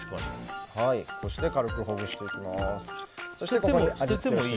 軽くほぐしていきます。